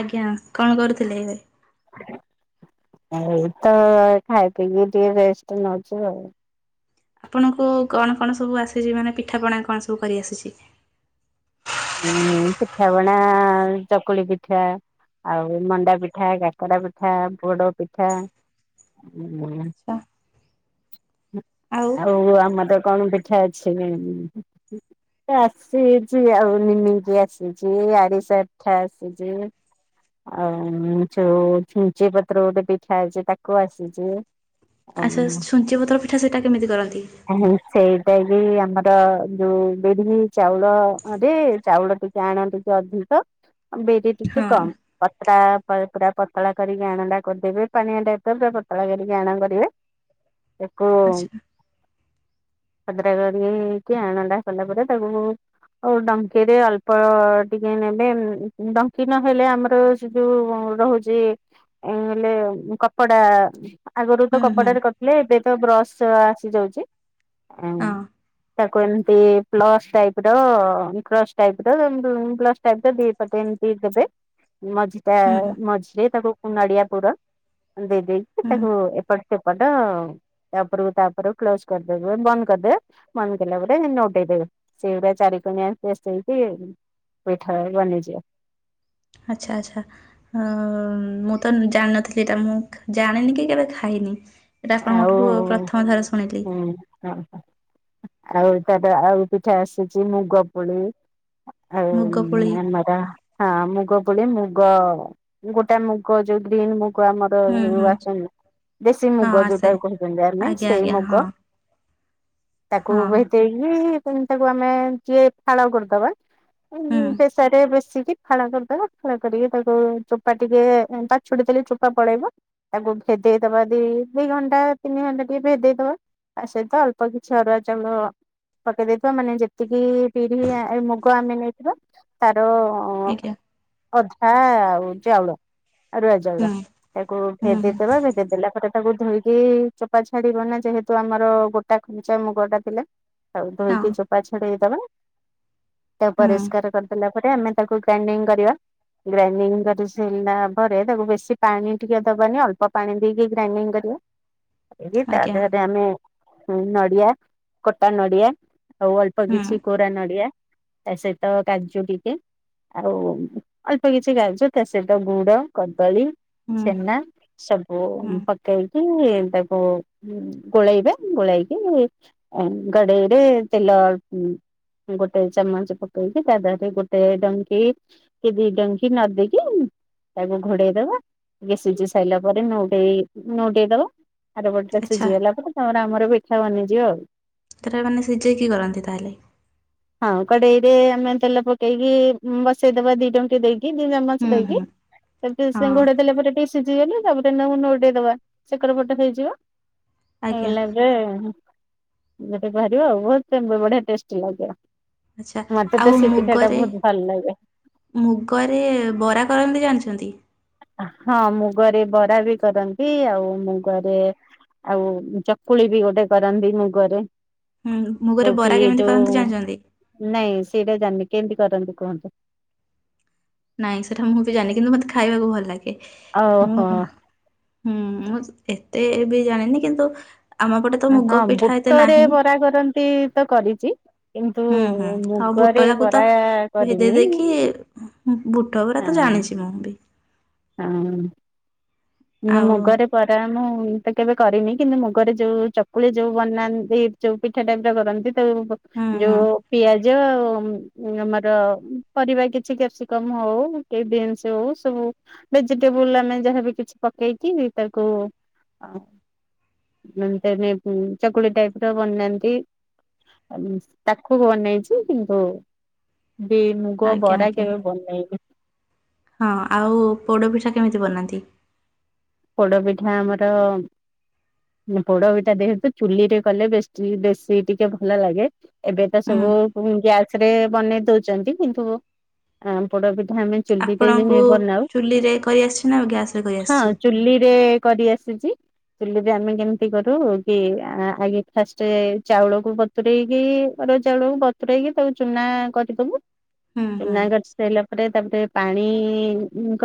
ଆଜ୍ଞା କଣ କରୁଥିଲେ ଏବେ? ଆଉତ ଖାଇ ପିଇକି ଟିକେ ରେଷ୍ଟ ନଉଚୁ ଆଉ। ଆପଣଙ୍କୁ କଣ କଣ ସବୁ ଆସିଚି ମାନେ ପିଠାପଣା କଣ ସବୁ କରିଆସିଛି? ହୁଁ ପିଠାପଣା ଚକୁଳି ପିଠା ଆଉ ମଣ୍ଡା ପିଠା, କାକରା ପିଠା, ପୋଡ ପିଠା ଆଚ୍ଛା। ଆଉ ଆମ ତ କଣ ଗୋଟେ ଏଠା ଅଛି ବି ଆସିଚି ଆଉ। ନିମିକି ଆସିଚି ଆରିସା ପିଠା ଆସିଚି। ଆଉ ଯଉ ଛୁ ଛୁଞ୍ଚି ପତ୍ର ଗୋଟେ ପିଠା ହେଇଚି ତାକୁ ଆସିଚି। ଆଚ୍ଛା ଛୁଞ୍ଚି ପତ୍ର ପିଠା ସେଇଟା କେମିତି କରନ୍ତି? ହାଁ ହାଁ! ସେଇଟା ବି ଆମର ଯୋଉ ବିରି, ଚାଉଳ [unintelligible] ଚାଉଳ ଟିକେ ଆଣ ଟିକେ ଅଧିକ ଆଉ ବରି ହଁ ଟିକେ କମ୍। ପତ୍ରା ପୁରା ପତଳା କରିକି ଆଣଟା କରିଦେବେ ପାଣି ଅଟା ପୁରା ପତଳା କରିକି ଆଣ କରିବେ। ତାକୁ ଆଚ୍ଛା। ଖଦ୍ରା କରି କି ଆଣଟା ସରିଲା ପରେ ତାକୁ ହଉ ଡଙ୍କିରେ ଅଳ୍ପ ଟିକେ ନେବେ ଉଁ ଡଙ୍କି ନହେଲେ ଆମର ଯୋଉ ରହୁଚି [unintelligible] କପଡା। ଆଗରୁ ତ ହୁଁ ହୁଁ କପଡାରେ କରିଥିଲେ ଏବେ ତ ବ୍ରଶ ଆସି ଯାଉଚି। ଏଁ ହଁ ତାକୁ ଏମ୍ତି ପ୍ଲସ୍ ଟାଇପର [unintelligible] ଟାଇପର ଏମିତି ଟାଇପର ଦି ପଟେ ଏମତି ଦେବେ ମଝି ତା ହୁଁ ମଝିରେ ତାକୁ ନଡ଼ିଆ ପୁର ଦେଇ ଦେଇେକି ହୁଁ ତାକୁ ଏପଟ୍ ସେପଟ ଆଉ। ତାପରକୁ‌ ତାପରକୁ କ୍ଲୋଜ କରିଦେବ ବନ୍ଦ କରିଦେ ବନ୍ଦ କଲା ପରେ ନୋଟଇଦେବେ। ସେବଟା ଚାରିି କଣିଆ [unintelligible] ହେଇକି ପଠା ବନିଯିବ। ଆଚ୍ଛା ଆଚ୍ଛା। ହଁ! ମୁଁ ତ ଜାଣିନଥିଲି ଏଟା ମୁଁ ଜାଣିନି କି କେବେ ଖାଇନି। ଏଇଟା ଆପଣଙ୍କଠୁ ପ୍ରଥମ ଧର ଶୁଣିଲି। ଓହୋ ଆଉ ତାର ଆଉ ପିଠା ଆସିଚି ମୁଗ ପୋଳି। [unintelligible] ହଁ! ମୁଗ ପୋଳି ମୁଗ ପୋଳି ମୁଗ ଗୋଟେ ମୁଗ ଯୋଉ ଗ୍ରୀନ୍ ମୁଗ୍ [unintelligible] ଆମର ହୁଁ ଯଉ ହୁଁ ଆସଚନ୍ତି। [unintelligible] ହଁ ମୁଗ ଯୋଉଟା ଆସେ। କହୁଚନ୍ତି ଆମେ ଆଜ୍ଞା ସେଇ ଆଜ୍ଞା ମୁଗ ହଁ ତାକୁ ହଁ [unintelligible] [unintelligible] ତାକୁ ଆମେ ଯିଏ ଫାଳ କରିଦବା ହୁଁ ପେସରେ ବେସିକି ଫାଳ କରଦବା‌ ଫାଳ କରିକି ତାକୁ ଚୋପା ଟିକେ ଉଁ ପାଛୁଡି କିରି ଚୋପା ପଳେଇବ। ତାକୁ ଭେଦେଇ ଦବା। ଦି ଦି ଘଣ୍ଟା ତିନି ଘଣ୍ଟା ଟିକେ ଭେଦେଇ ଦବା ତା ସହିତ ଅଳ୍ପ କିଛି ଅରୁଆ ଚାଉଳ ପକେଇ ଦେଇେଇଥିବା ମାନେ ଯେତିକି ବିରି ଆ ମୁଗ ଆମେ ନେଇଥିବା ତାର ହଁ ଆଜ୍ଞା ଅଧା ଆଉ ଚାଉଳ। ଆରୁୁଆ ହୁଁ ଚାଉଳ। ତାକୁ ହୁଁ ହୁଁ ଭେଦେଇ ଦବା ଭେଦେଇ ଦେଲା [unintelligible] ଧୋଇକି ଚୋପା ଛାଡିିବ ନା ଯେହେତୁ ଆମର ଗୋଟା [unintelligible] ମୁଗ ଟା ଥିଲା। ତାକୁ ହଁ ଧୋଇକି ଚୋପା ଛଡେଇଦବା ତାକୁ ହୁଁ ପରିଷ୍କାର କରିଦେଲା ଏପଟେ ଆମେ ତାକୁ ଗ୍ରାଇଣ୍ଡିଙ୍ଗ୍ କରିବା ଗ୍ରାଇଣ୍ଡିଙ୍ଗ୍ କରି ସାରିଲା ପରେ ତାକୁ ବେଶୀ ପାଣି ଟିକେ ଦବାନି ଅଳ୍ପ ପାଣି ଦେଇକି ଗ୍ରାଇଣ୍ଡିଙ୍ଗ୍ କରିବା [unintelligible] ତା ଆଜ୍ଞା ଦେହରେ ଆମେ ହୁଁ- ନଡିଆ କଟା ନଡିଆ ଆଉ ଅଳ୍ପ ହୁଁ। କିଛି କୋରା ନଡିଆ ତାସହିତ କାଜୁ ଟିକେ ଆଉ ଅଳ୍ପ କିଛି ଗାଜର୍ ତା ସହିତ ଗୁଡ, କଦଳୀ ହୁଁ ଛେନା ସବୁ ହୁଁ ପକେଇକି ତାକୁ ଗୋଳେଇବେ ଗୋଳେଇକି ଗଡେଇରେ ତେଲ ଉଁ- ଗୋଟେ ଚାମଚ୍ ପକେଇକି ତା ଦେହରେ ଗୋଟେ ଡଙ୍କି [unintelligible] ନ ଦେଇ କି ତାକୁ ଘୋଡେଇ ଦବା ଟିକେ ସିଜି ସାଇଲା ପରେ ନଉଟେଇ ନଉଟେଇ ଦବା ଆରପଟରେ ଆଚ୍ଛା ସିଜି ଗଲା ପରେ ତାପରେ ଆମର ପିଠା ବନିଯିବ ଆଉ। [unintelligible] ମାନେ ସିଜେଇକି କରନ୍ତି ତାହେଲେ? ହଁ କଡେଇ ରେ ଆମେ ତେଲ ପକେଇକି ବସେଇଦବା ଦି ଡଙ୍କି ଦେଇ କି ଦି ଚାମଚ ହୁଁ ଦେଇକି ହୁଁ ହଁ [unintelligible] ଘୋଡେଇ ଦେଲେ ପରେ ଟିକେ ସିଜିଗଲେ ତାପରେ ତାକୁ ନଉ ଟେଇଦବା ସେକର ପଟ ହେଇଯିବ ଆଜ୍ଞା ହେଇଗଲା ପରେ [unintelligible] ବାହାରିବ ଆଉ ବହୁତ୍ ବଢିଆ ଟେଷ୍ଟ୍ ଲାଗିବ। ଆଚ୍ଛା ମତେ ତ ଆଉ ସେ ପିଠାଟା ମୁଗରେ ବହୁତ୍ ଭଲ ଲାଗେ। ମୁଗରେ ବରା କରନ୍ତିି ଜାଣିଚନ୍ତି? ହଁ ମୁଗରେ ବରା ବି କରନ୍ତି। ଏ ଆଉ ମୁଗରେ ଆଉ ଚକୁଳି ବି ଗୋଟେ କରନ୍ତି ମୁଗରେ। ହୁଁ- ମୁଗ ରେ ଯୋଉଠି ବରା କେମିତି ଯୋଉ କରନ୍ତି ଜାଣିଚନ୍ତି? ନାଇଁ ସେଇଟା ଜାଣିନି କେମିତି କରନ୍ତୁ କୁହନ୍ତୁ? ନାଇଁ ସେଟା ମୁଁ ବି ଜାଣିନି କିନ୍ତୁ ମତେ ଖାଇବାକୁ ଭଲ ଲାଗେ ମୁଁ ଓହୋ ହୁଁ ମୁଁ ଏତେ ବି ଜାଣିନି କିନ୍ତୁ ଆମ ପଟେ ତ ଆଁ ମୁଗ -ହଁ ପିଠା ଏତେ ବୁଟରେ ନାହିଁ ବରା କରନ୍ତି ତ କରିଚି। ହୁଁ-ହୁଁ ଆଉ ବୁଟ ରାକୁ ତ ଭିଜେଇ କରିନି ଦେଇକି ବୁଟ ଗୁରା ତ ହଁ ଜାଣିଚି ମୁଁ ବି। [inaudible] ନା ଆଉ ମୁଗରେ ବରା ମୁଁ ତ କେବେ କରିନି କିନ୍ତୁ ମୁଗରେ ଯଉ ଚକୁଳି ଯଉ ବନାନ୍ତି ଯଉ ପିଠା ଟାଇପ୍ ର କରନ୍ତି ତ ହୁଁ ଯଉ ହୁଁ ପିଆଜ ଉଁ- ଉଁ- ଆମର ପରିବା କିଛି କ୍ୟାପ୍ସିକମ୍ ହଉ କି ବିନ୍ସ୍ ହଉ ସବୁ ଭେଜିଟେବୁଲ୍ ଆମେ ଯାହା ବି କିଛି ପକେଇକି ତାକୁ ଆ ହୁଁ- ତାପରେ ଚକୁଳି ଟାଇପ୍ ର ବନାନ୍ତି [unintelligible] ତାକୁ ବନେଇଚି କିନ୍ତୁ କି ମୁଗ ଆଜ୍ଞା ବରା ଆଜ୍ଞା କେବେ ବନେଇନି। ହଁ ଆଉ ପୋଡପିଠା କେମିତି ବନାନ୍ତି? ପୋଡପିଠା ଆମର ପୋଡପିଠା ଦେହେତୁ ଚୁଲିରେ କଲେ ବେଶୀ-ବେଶୀ ଟିକେ ଭଲ ଲାଗେ ଏବେ ତ ହୁଁ ସବୁ ଗ୍ୟାସ୍ ରେ ବନେଇ ଦଉଚନ୍ତି କିନ୍ତୁ ଆମ୍ ପୋଡପିଠା ଆମେ ଚୁଲି ରେ ଆପଣଙ୍କୁ [unintelligible] ବନାଉ-ହଁ। ଚୁଲିରେ କରି ଆସିଛି ନା ଗ୍ୟାସ ରେ କରି ଆସିଛି? ଚୁଲି ରେ କରି ଆସିଚି? ଚୁଲିରେ ଆମେ କେମତି କରୁ କି ଆ-ଆଗେ ଫାଷ୍ଟେ ଚାଉଳକୁ ବ ବତୁରେଇକି ଅରୁଆ ଚାଉଳ କୁ ବତୁରେଇକି ତାକୁ ଚୁନା କରିଦବୁ ହୁଁ ହୁଁ ଚୁନା କରି ସା ଇଲା ପରେ ତାପରେ ପାଣି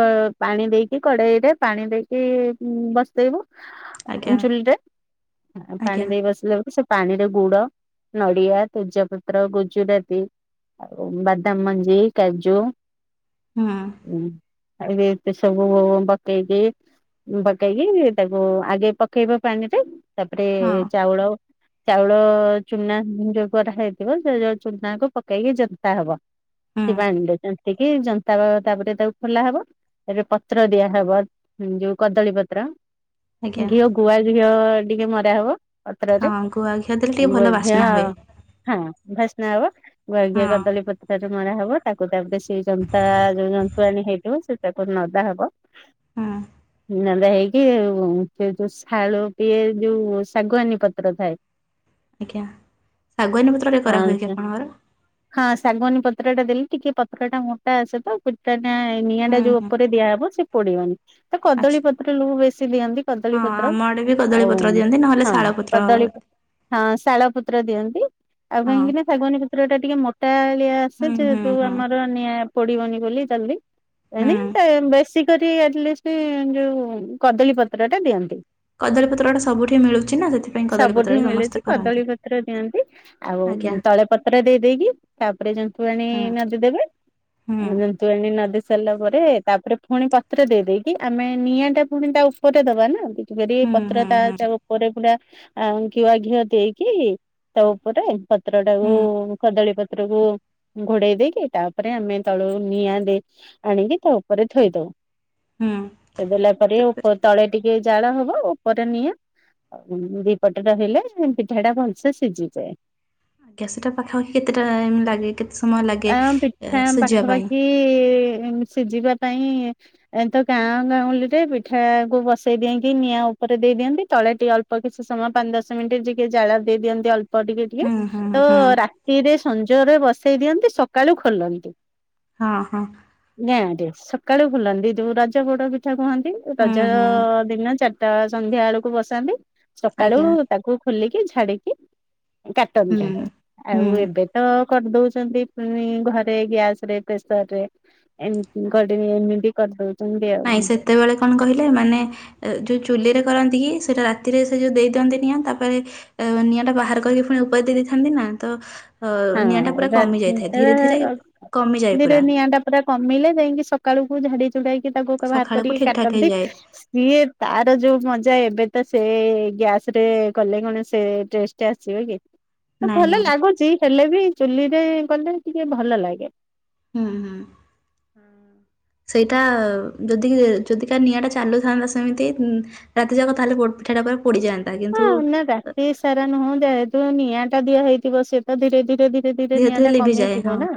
କ ପାଣି ଦେଇକି କଡ଼େଇ ରେ ପାଣି ଦେଇ କି ବସେଇବ ଉଁ ଆଜ୍ଞା ଚୁଲିରେ ପାଣି ଆଜ୍ଞା ଦେଇ ବସିଲା ବେଳକୁ ସେ ପାଣିରେ ଗୁଡ, ନଡିଆ, ତେଜପତ୍ର, ଗୁଜୁରାତି ଆଉ ବାଦାମ ମଞ୍ଜି, କାଜୁ ହୁଁ। ଉଁ ଆଉ ଏତେ ସବୁ ବତେଇ ଦିଏ। ଉଁ ପକେଇକି ତାକୁ ଆଗେ ପକେଇବ ପାଣିରେ ତାପରେ ହଁ ଚାଉଳ ଚାଉଳ ଚୁନା ଯୋଉ କରାହେଇଥିବ ସେ ଯୋଉ ଚୁନା କୁ ପକେଇକି ଜନ୍ତା ହବ। ହୁଁ ସେ ପାଣିରେ ଜନ୍ତିକି ଜନ୍ତା ତାପରେ ତାକୁ ଖୋଲା ହବ ତାପରେ ପତ୍ର ଦିଆହବ। ଉଁ ଯୋଉ କଦଳୀ ପତ୍ର ଆଜ୍ଞା ଘିଅ ଗୁଆ ଘିଅ ଟିକେ ମରା ହବ ହଁ ପତ୍ରରେ ଗୁଆ ଘିଅ ଦେଲେ ଟିକେ ଭଲ ଗୁଆ ଘିଅ ବାସ୍ନା ହୁଏ। ହଁ ଭାସ୍ନା ହବ ଗୁଆ ହଁ ଘିଅ କଦଳୀ ପତ୍ରରେ ମରା ହବ। ତାକୁ ତାପରେ ସେଇ ଜନ୍ତା ଯୋଉ ଜନ୍ତୁଆଣୀ ହେଇଥିବ ସେ ତାକୁ ନଦା ହବ। ହଁ। ନଏଲେ ହେଇକି ସେ ଯୋଉ ଶାଳୁ ପିଏ ଯୋଉ ଶାଗୁଆନୀ ପତ୍ର ଥାଏ ଆଜ୍ଞା ସାଗୁଆନୀ ପତ୍ରରେ କରାହୁଏ କି ହଁ ଆପଣଙ୍କର? ହଁ ଶାଗୁଆନୀ ପତ୍ର ଟା ଦେଲେ ଟିକେ ପତ୍ର ଟା ମୋଟା ଆସେ ତ ପି ତା ନାଇଁ ନିଆଁ ହୁଁ ଟା ଯୋଉ ହୁଁ ଉପରେ ଦିଆହବ ସେ ପୋଡିବନି। ତ ଆଚ୍ଛା କଦଳୀ ପତ୍ର ଲୋକ ବେଶୀ ଦିଅନ୍ତି କଦଳୀ ହଁ ପତ୍ର ଆମ ଆଡ଼େ ବି କଦଳୀ ଆଉ ପତ୍ର ଦିଅନ୍ତି ନହେଲେ ହଁ ଶାଳ ପତ୍ର କଦଳୀ ପ ହଁ ହଁ ଶାଳ ପତ୍ର ଦିଅନ୍ତି ଆଉ କାହିଁକି ନା ଶାଗୁଆନୀ ପତ୍ର ଟା ଟିକେ ମୋଟାଳିଆ ସେ ହୁଁ ହୁଁ ଯେହେତୁ ହୁଁ ଆମର ନିଆଁ ପୋଡିବନି ବୋଲି ଜଲଦି ହୁଁ ଏଣେ ତେ ବେଶୀ କରି ଆଟଲାଷ୍ଟି ଯୋଉ କଦଳୀ ପତ୍ରରେ ଦିଅନ୍ତି। କଦଳୀପତ୍ରଟା ସବୁଠି ମିଳୁଛି ନା ସେଥିପାଇଁ ସବୁଠି କଦଳୀପତ୍ରରେ ସମସ୍ତେ ମିଳୁଚି କରନ୍ତି। କଦଳୀପତ୍ର ଦିଅନ୍ତି। ଆଉ ଆଜ୍ଞା ତଳେ ପତ୍ର ଦେଇ ଦେଇକି ତାପରେ ଜନ୍ତୁଆଣି ହୁଁ ନଦି ଦେବେ। ହୁଁ। ତୁଆଣୀ ନଦି ସାରିଲା ପରେ ତାପରେ ପୁଣି ପତ୍ର ଦେଇ ଦେଇ କି ଆମେ ନିଆଁ ଟା ପୁଣି ତା ଉପରେ ଦବା ନା ଏତୁ କରି ହୁଁ ପତ୍ର ହୁଁ ତା ହୁଁ ତା ଉପ ପରେ ପୁରା ଆଁ ଗୁଆ ଘିଅ ଦେଇକି ତା ଉପରେ ପତ୍ର ଟାକୁ ହୁଁ କଦଳୀ ପତ୍ରକୁ ଘୋଡେଇ ଦେଇକି ତାପରେ ଆମେ ତଳୁ ନିଆଁ ଦେ ଆଣିକି ତା ଉପରେ ଥୋଇ ଦଉ। ହୁଁ। ଏ ଦେଲା ପରେ ତାପରେ ଉପ ତଳେ ଟିକେ ଜାଳ ହବ ଉପରେ ନିଆଁ। ଆଉ ଦି ପଟ ଟା ହେଲେ ପିଠା ଟା ଭଲସେ ସିଝିଯାଏ। ଆଜ୍ଞା ସେଟା ପାଖାପାଖି କେତେ ଟାଇମ୍ ଲାଗେ କେତେ ସମୟ ଲାଗେ ଆମ ଏ ସିଝିବା ପାଇଁ? [inaudible] ଉଁ ସିଝିବା ପାଇଁ ଏ ତ ଗାଁ ଗାଉଁଳିରେ ପିଠା କୁ ବସେଇ ଦେଇକି ନିଆଁ ଉପରେ ଦେଇ ଦିଅନ୍ତି ତଳେ ଟିକେ ଅଳ୍ପ କିଛି ସମୟ ପାଞ୍ଚ ଦଶ ମିନିଟ୍ ଯିକେ ଜାଳ ଦେଇ ଦିଅନ୍ତି ଅଳ୍ ଳ୍ପ ଟିକେ ଟିକେ ହୁଁ ହୁଁ ତ ହୁଁ ରାତିରେ ସଞ୍ଜରେ ବସେଇ ଦିଅନ୍ତି ସକାଳୁ ଖୋଲନ୍ତି। ହଁ ହଁ ଗାଁ ରେ ସକାଳୁ ଖୁଲନ୍ତି ଯୋଉ ରଜ ହୁଡ ପିଠା କୁହନ୍ତି ହୁଁ ରଜ ହୁଁ ଦିନ ଚାରି ଟା ସନ୍ଧ୍ୟା ବେଳକୁ ବସାନ୍ତି ସକାଳୁ ଆଜ୍ଞା ତାକୁ ଖୋଲିକି ଛାଡିକି କାଟନ୍ତି। ହୁଁ। ଆଉ ହୁଁ ଏବେ ତ କରିଦଉଛନ୍ତି। ପୁଣି ଘରେ ଗ୍ୟାସ ରେ ପ୍ରେସର ରେ ଏମ ଆଜ୍ଞା। ଗଡିି ଏମିତି କରିଦଉଛି। ନାଇଁ ସେତେବେଳେ କଣ କହିଲେ? ମାନେ ଏ ଯୋଉ ଚୁଲିରେ କରନ୍ତି କି ସେଇଟା ରାତିରେ ସେ ଯୋଉ ଦେଇ ଦିଅନ୍ତି ନିଆଁ ତାପରେ ଅ, ନିଆଁ ଟା ବାହାର କରିକି ପୁଣି ଉପରେ ଦେଇଥାନ୍ତି ନା ତ ଅ, ନିଆଁ ଟା ହଁ ପୁରା ରା କମି ଯାଇଥାଏ ଧୀରେ ଧୀରେ କମିଯାଏ ଧୀରେ ପୁରା। ନିଆଁ ଟା ପୁରା କମିଲା ଯାଇକି ସକାଳୁକୁ ଝାଡି ଝୁଡାଇକି ତାକୁ [unintelligible] ବାହାର ସକାଳକୁ କରିକି ଠିକ ଠାକ କାଟନ୍ତି। ହେଇଯାଏ ଇଏ ତାର ଯୋଉ ମଜା ଏବେ ତ ସେ ଗ୍ୟାସ୍ ରେ କଲେ କଣ ସେ ଟେଷ୍ କିଏ ଆସିବେ କି? ତ ନାଇଁ ଭଲ ନାଇଁ ଲାଗୁଚି, ହେଲେ ବି ଚୁଲିରେ କଲେ ଟିକେ ଭଲ ଲାଗେ। ହୁଁ, ହଁ। ସେଇଟା ଯଦି ଏ ଯଦି କା ନିଆଁ ଟା ଚାଲୁଥାନ୍ତା ସେମିତି ହୁଁ ରାତି ଯାକ ତାହେଲେ ପୋଡ ପିଠା ଟା ପୁରା ପୁଡିଯାଆନ୍ ହଁ ନା ରାତି ସାରା ନୁହଁ ଯେହେତୁ ନିଆଁ ଟା ଦିଆ ହେଇଥିବ ସେଟା ଧୀରେ ଧୀରେ ବି ଧୀରେ ଧୀରେ ନିଆଁ ଟା କମି ଯିବ ନା?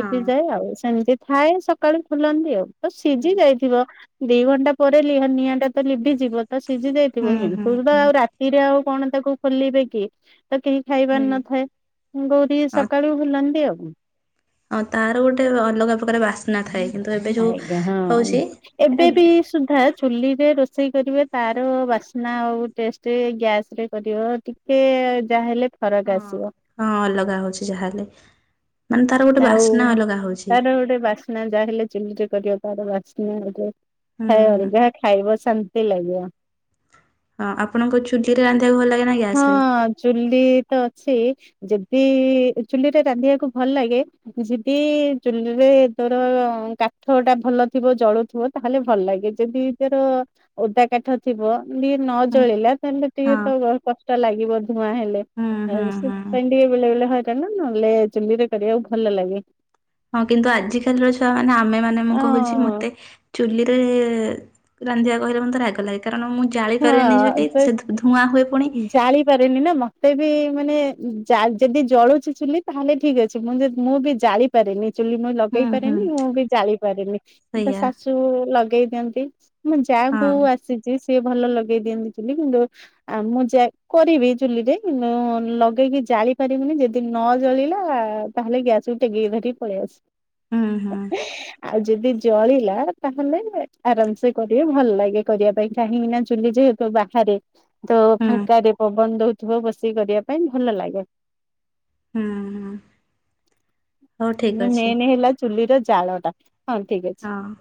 ହଁ ଆଉ। ସେମିତି ଥାଏ ସକାଳୁ ଖୁଲନ୍ତି ଆଉ। ତ ସିଝି ଯାଇଥିବ ଦି ଘଣ୍ଟା ପରେ ଲିହ ନିଆଁ ଟା ତ ଲିଭିଯିବ। ତ ସିଝି ଯାଇଥିବ ହୁଁ [unintelligible] ହୁଁ ସେଉରା ହୁଁ ଆଉ ରାତିରେ ଆଉ କଣ ତାକୁ ଖୋଲିବେ କି। ତ କେହି ଖାଇବାର ନଥାଏ। ବୋଉ ଟିକେ ହଁ ସକାଳୁ ବୁଲନ୍ତି ଆଉ। ହଁ ତାର ଗୋଟେ ଅଲଗା ପ୍ରକାର ବାସ୍ନା ଥାଏ କିନ୍ତୁ ଏବେ ଯୋଉ ହଉଛି ଏଟା ଏ ସିଧା ଚୁଲିରେ ରୋଷେଇ କରିବେ ତାର ବାସ୍ନା ଆଉ ଟେଷ୍ଟ ଗ୍ୟାସ୍ ରେ କରିବ ଟି କେ ଯାହା ହେଲେ ହଁ ହଁ ଅଲଗା ହଉଛି ଯାହାହେଲେ, ମାନେ ତାର ଗୋଟେ ବାସ୍ନା ଅଲଗା ହଉଛି। ନା ଯାହା ହେଲେ ଚୁଲି ରେ କରିବା ତାର ବାସ୍ନା [unintelligible] ହୁଁ ଖାଇବ ହୁଁ [unintelligible] ଯାହା ଖାଇବ ଶାନ୍ତି ଲାଗିବ। ହଁ ଆପଣଙ୍କ ଚୁଲିରେ ରାନ୍ଧିବାକୁ ଭଲ ଲାଗେ ନାହିଁ ହଁ ଚୁଲି ତ ଅଛି। ଯଦି ଚୁଲିରେ ରାନ୍ଧିବାକୁ ଭଲ ଲାଗେ। ଯିଦି ଚୁଲିରେ ତୋର କାଠ ଟା ଭଲ ଥିବ ଜଳୁଥିବ ତାହେଲେ ଭଲ ଲାଗେ। ଯଦି ତୋର ଓଦା କାଠ ଥିବ ଟିକିଏ ନ ହୁଁ ଜଳିଲା ତାହେଲେ ଟିକେ ହଁ ତ [unintelligible] କଷ୍ଟ ଲାଗିବ ଧୂଆଁ ହେଲେ। ହୁଁ ହୁଁ ଆଉ ସେ [unintelligible] ହୁଁ ବେଲେ ବେଲେ ହେ କନା ନହେଲେ ଚୁଲିରେ କରିବାକୁ ଭଲ ଲାଗେ। ହଁ କିନ୍ତୁ ଆଜିିକାଲିର ଛୁଆମାନେ ଆମେ ମାନେ ମୁଁ ଅ କହୁଛି ମୋତେ ଚୁଲିରେ ରାନ୍ଧିବା କହିଲେ ମୋତେ ରାଗ ଲାଗେ। କାରଣ ମୁଁ ଜାଳିପାରେନି ଚୁଲି ହଁ ତ ସେ ଧୂ- ଧୂଆଁ ହୁଏ ପୁଣି। ଜାଳି ପାରେନି ନା ମୋତେ ବି ମାନେ ଯା- ଯଦି ଜଳୁଛି ଚୁଲି ତାହେଲେ ଠିକ ଅଛି। [unintelligible] ମୁଁ ଯେ ମୁଁ ବି ଜାଳି ପାରେନି। ଚୁଲି ମୁଇଁ ଲଗେଇ ହୁଁ ହୁଁ ପାରେନି ମୁଁ ବି ଜାଳି ପାରେନି। ତ ସେଇଆ ଶାଶୁ ଲଗେଇ ଦିଅନ୍ତି। ମୁଁ ଯା ହଁ ଙ୍କୁ ଆସିଛି ସିଏ ଭଲ ଲଗେଇ ଦିଅନ୍ତି ଚୁଲି। କିନ୍ତୁ ଆ, ମୁଁ ଯେ କରିବି ଚୁଲିରେ ନ-ଲଗେଇକି ଜାଳି ପାରିବିନି। ଯଦି ନ ଜଳିଲା ତାହେଲେ ଗ୍ୟାସ୍ କୁ ଟେକିକି ଧରିକି ପଳି ଆସ। ହୁଁ, ହଁ। ଆଉ ଯଦି ଜଳିଲା ତାହେଲେ ଆରାମସେ କରିବେ ଭଲ ଲାଗେ କରିବା ପାଇଁ। କାହିଁକିନା ଚୁଲି ଯେହେତୁ ବାହାରେ ତ ହୁଁ ଫାଙ୍କାରେ ପବନ ଦଉଥିବ ବସିକି କରିବା ପାଇଁ ଭଲ ଲାଗେ। ହୁଁଁ, ହଁ। ଯୋଉ ମେନ୍ ହେଲା ଚୁଲିର ଜାଳ ଟା ହଁ ଠିକ ଅଛି। ହଁ।